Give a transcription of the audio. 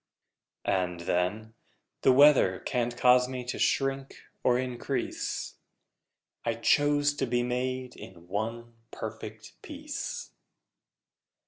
And, then, The weather can't cause me to shrink or increase: I chose to be made in one perfect piece!